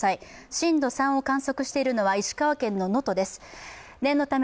震度３を確認しているのは石川県の能登です。